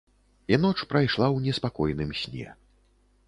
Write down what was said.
І ноч прайшла ў неспакойным сне.